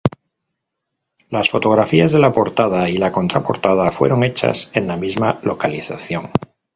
Las fotografías de la portada y la contraportada fueron hechas en la misma localización.